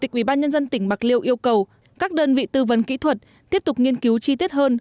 chủ tịch ủy ban nhân dân tỉnh bạc liêu yêu cầu các đơn vị tư vấn kỹ thuật tiếp tục nghiên cứu chi tiết hơn